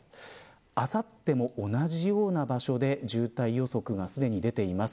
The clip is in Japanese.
あさっても同じような場所で渋滞予測がすでに出ています。